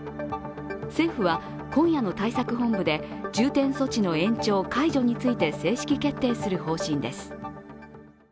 政府は今夜の対策本部で重点措置の延長解除について、正式決定する方針です。